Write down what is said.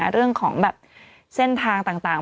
เรื่องของแบบเส้นทางต่าง